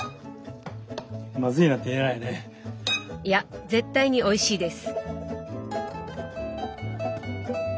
いや絶対においしいです。